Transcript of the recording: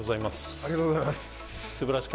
ありがとうございます。